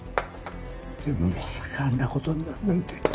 でもまさかあんな事になるなんて。